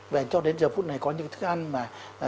và cho đến giờ phút này có những thức ăn mà